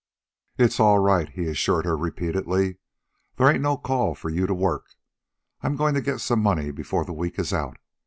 "It's all right," he assured her repeatedly. "They ain't no call for you to work. I'm goin' to get some money before the week is out.